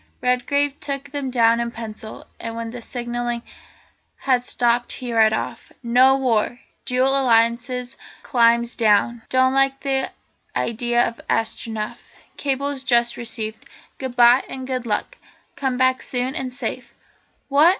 Redgrave took them down in pencil, and when the signalling had stopped he read off: "No war. Dual Alliance climbs down. Don't like idea of Astronef. Cables just received. Goodbye, and good luck! Come back soon, and safe!" "What?